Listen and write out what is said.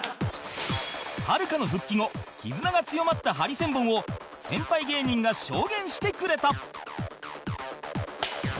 はるかの復帰後絆が強まったハリセンボンを先輩芸人が証言してくれた